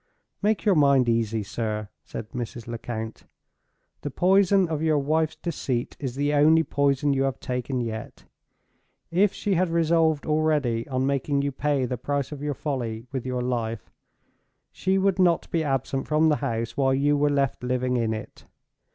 "Make your mind easy, sir," said Mrs. Lecount. "The poison of your wife's deceit is the only poison you have taken yet. If she had resolved already on making you pay the price of your folly with your life, she would not be absent from the house while you were left living in it.